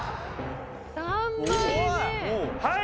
「はい！」